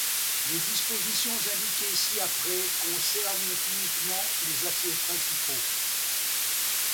Les dispositions indiquées ci-après concernent uniquement les aciers principaux.